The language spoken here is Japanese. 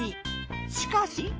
しかし。